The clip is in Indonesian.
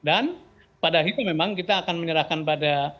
dan pada itu memang kita akan menyerahkan pada capai